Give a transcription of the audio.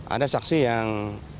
ada saksi yang